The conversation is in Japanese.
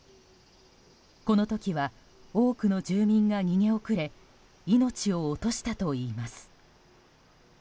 この時は多くの住民が逃げ遅れ命を落としたといいます。